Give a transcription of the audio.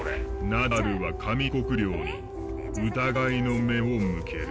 ナダルは上國料に疑いの目を向ける。